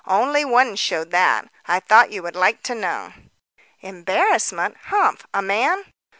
only one showed that. I thought you would like to know." "Embarrassment? Humph! a man?"